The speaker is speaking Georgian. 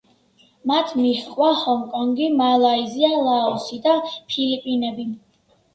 მათ მიჰყვა ჰონკონგი, მალაიზია, ლაოსი და ფილიპინები.